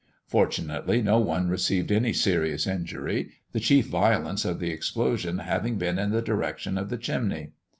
Fortunately, no one received any serious injury, the chief violence of the explosion having been in the direction of the chimney.